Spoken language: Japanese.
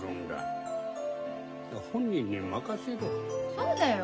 そうだよ。